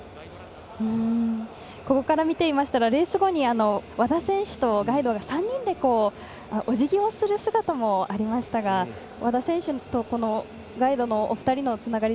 ここから見ていましたらレース後に和田選手とガイドが３人でおじぎをする姿もありましたが和田選手とガイドのお二人のつながり